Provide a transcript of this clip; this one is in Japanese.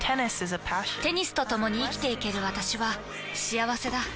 テニスとともに生きていける私は幸せだ。